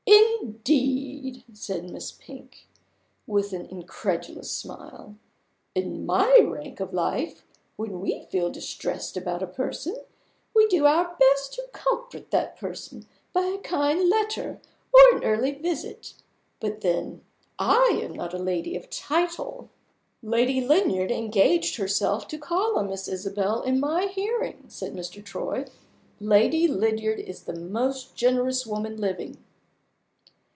"Indeed!" said Miss Pink, with an incredulous smile. "In my rank of life, when we feel distressed about a person, we do our best to comfort that person by a kind letter or an early visit. But then I am not a lady of title." "Lady Lydiard engaged herself to call on Miss Isabel in my hearing," said Mr. Troy. "Lady Lydiard is the most generous woman living!"